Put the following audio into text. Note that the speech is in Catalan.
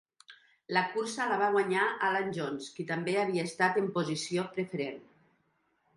La cursa la va guanyar Alan Jones, qui també havia estat en posició preferent.